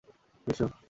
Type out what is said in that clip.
বিশ্ব